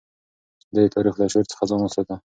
ده د تاريخ له شور څخه ځان وساته.